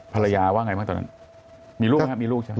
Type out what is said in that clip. ภรรยาว่าไงบ้างตอนนั้นมีลูกไหมครับมีลูกใช่ไหม